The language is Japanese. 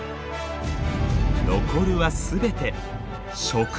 残るは全て植物！